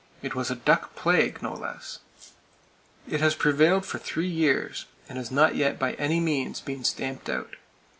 It was a "duck plague," no less. It has prevailed for three years, and has not yet by any means been stamped out.